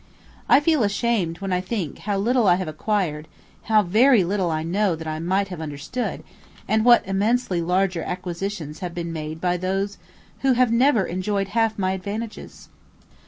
I feel ashamed when I think how little I have acquired, how very little I know that I might have understood, and what immensely larger acquisitions have been made by those who have never enjoyed half my advantages.